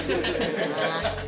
tuh pake minum segala